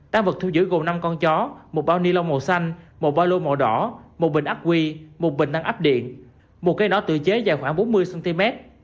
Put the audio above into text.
tăng vật thu giữ gồm năm con chó một bao ni lông màu xanh một bao lô màu đỏ một bình ác quy một bình năng up điện một cây nỏ tự chế dài khoảng bốn mươi cm